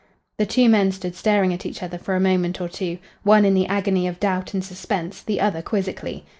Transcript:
The two men stood staring at each other for a moment or two, one in the agony of doubt and suspense, the other quizzically.